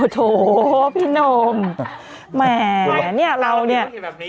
โถพี่นมแหมเนี่ยเราเนี่ย